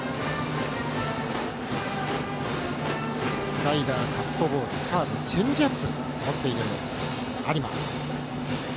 スライダー、カットボールカーブ、チェンジアップを持っている有馬。